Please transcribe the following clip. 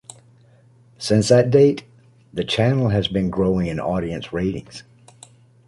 Since that date, the channel has been growing in audience ratings.